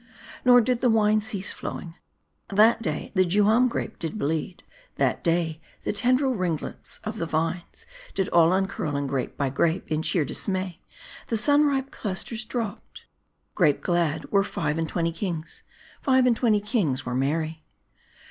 Nor did the wine cease flowing. That day the Juam grape did bleed ; that day the tendril ringlets of the vines, did all uncurl ; and grape by grape, in sheer dismay, the sun ripe clusters dropped. Grape glad were five and twenty kings : five and twenty kings were merry.